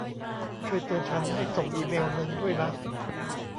ช่วยเตือนฉันให้ส่งอีเมลล์นึงด้วยนะ